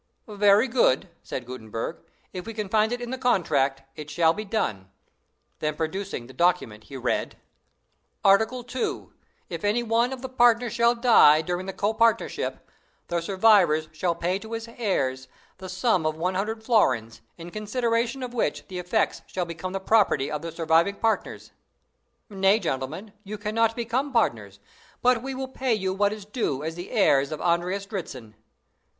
"Very good," said Gutenberg; "if we can find it in the contract, it shall be done." Then, producing the document, he read: "ART. 2. If any one of the partners shall die during the copartnership, the survivors shall pay to his heirs the sum of one hundred florins, in consideration of which the effects shall become the property of the surviving partners." "Nay, gentlemen, you cannot become partners, but we will pay you what is due as the heirs of Andreas Dritzhn."